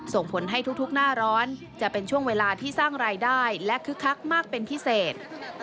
ส่งผลให้ทุกหน้าร้อนจะเป็นช่วงเวลาที่สร้างรายได้และคึกคักมากเป็นพิเศษ